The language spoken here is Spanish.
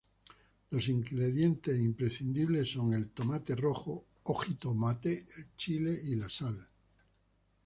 Los ingredientes imprescindibles son el tomate rojo o jitomate, el chile y sal.